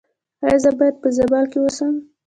ایا زه باید په زابل کې اوسم؟